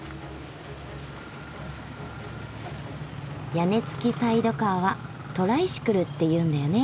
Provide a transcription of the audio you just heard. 屋根つきサイドカーはトライシクルっていうんだよね。